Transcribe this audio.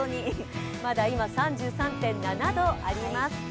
まだ今、３３．７度あります。